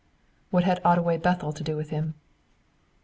"What had Otway Bethel to do with him?"